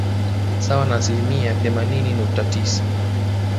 Sawa na asilimia themanini nukta tisa